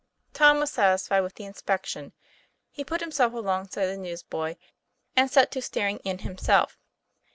Tom was satisfied with the inspection. He put himself alongside the newsboy, and set to staring in himself.